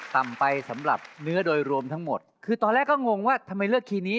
ต่ำไปสำหรับเนื้อโดยรวมทั้งหมดคือตอนแรกก็งงว่าทำไมเลือกคีย์นี้